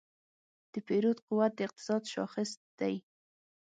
د پیرود قوت د اقتصاد شاخص دی.